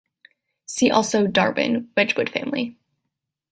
See also Darwin - Wedgwood family.